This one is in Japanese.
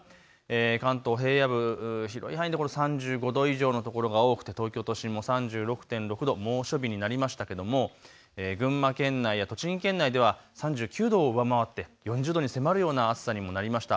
関東平野部広い範囲で３５度以上の所が多くて東京都心も３６．６度、猛暑日になりましたけれども群馬県内や栃木県内では３９度を上回って４０度に迫るような暑さにもなりました。